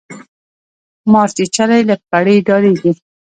ـ مارچيچلى له پړي ډاريږي.